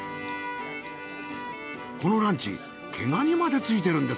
このランチ毛ガニまで付いてるんです。